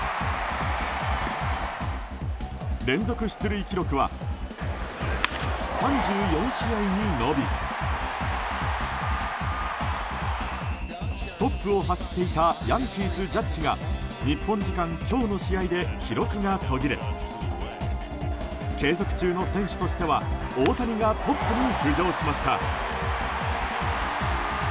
連続出塁記録は３４試合に伸びトップを走っていたヤンキース、ジャッジが日本時間今日の試合で記録が途切れ継続中の選手としては大谷がトップに浮上しました。